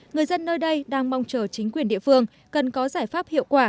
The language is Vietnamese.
người dân nơi đây đang mong chờ chính quyền địa phương cần có giải pháp hiệu quả